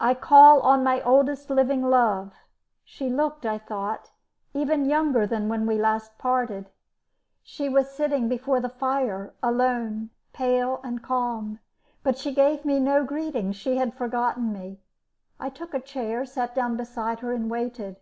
I called on my oldest living love; she looked, I thought, even younger than when we last parted. She was sitting before the fire alone, pale and calm, but she gave me no greeting; she had forgotten me. I took a chair, sat down beside her, and waited.